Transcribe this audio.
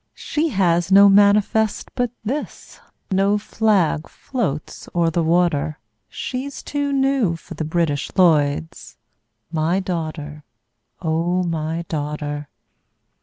She has no manifest but this, No flag floats o'er the water, She's too new for the British Lloyds My daughter, O my daughter!